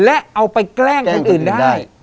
และเอาไปแกล้งคนอื่นได้